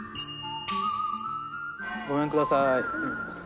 ごめんください。